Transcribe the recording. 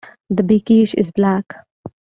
The "Bekishe" is black.